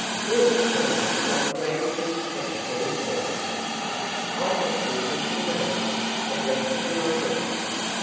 "Let me tell you what the grand duke's secretary says. I have the official notice, but left it in my desk.